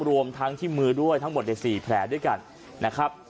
รวมทั้งที่มือด้วยทั้งหมดใน๔แผลด้วยกันนะครับ